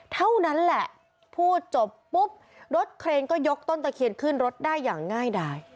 เท่านั้นแหละพูดจบปุ๊บรถเครนก็ยกต้นตะเคียนขึ้นรถได้อย่างง่ายดาย